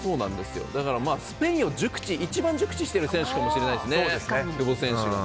スペインを一番熟知してる選手かもしれないですね、久保選手が。